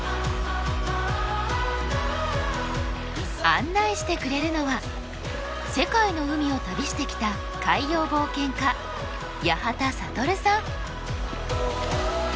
案内してくれるのは世界の海を旅してきた海洋冒険家八幡暁さん。